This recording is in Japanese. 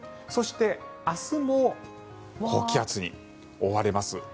そして明日も高気圧に覆われます。